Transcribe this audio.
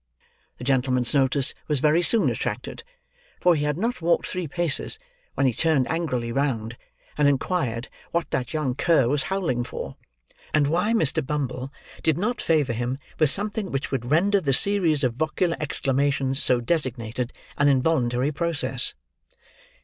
The gentleman's notice was very soon attracted; for he had not walked three paces, when he turned angrily round, and inquired what that young cur was howling for, and why Mr. Bumble did not favour him with something which would render the series of vocular exclamations so designated, an involuntary process?